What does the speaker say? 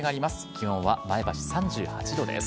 気温は前橋３８度です。